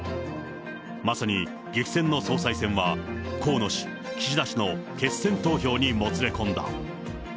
まさに激戦の総裁選は、河野氏、岸田氏の決選投票にもつれ込んだ。